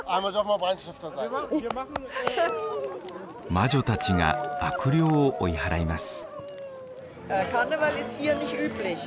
魔女たちが悪霊を追い払います。